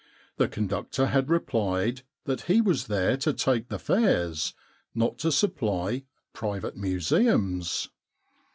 The conductor had replied that he was there to take the fares, not to supply private museums.